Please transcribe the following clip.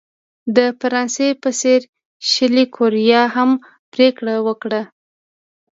د فرانسې په څېر شلي کوریا هم پرېکړه وکړه.